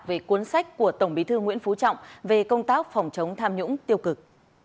về cuốn sách của tổng bí thư nguyễn phú trọng về công tác phòng chống tham nhũng tiêu cực